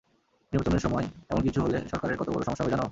নির্বাচনের সময় এমন কিছু হলে সরকারের কত বড় সমস্যা হবে জানো?